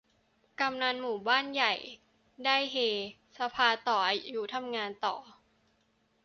กำนันผู้ใหญ่บ้านได้เฮ สภาต่ออายุ ทำงานต่อ